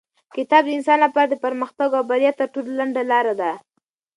کتاب د انسان لپاره د پرمختګ او بریا تر ټولو لنډه لاره ده.